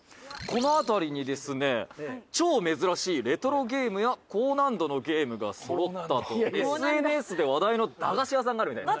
この辺りにですね超珍しいレトロゲームや高難度のゲームがそろったとＳＮＳで話題の駄菓子屋さんがあるみたいです。